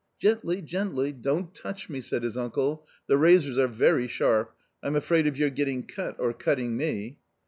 " Gently, gently, don't touch me !" said his uncle, " the razors are very sharp," I'm afraid of your getting cut, or cutting me."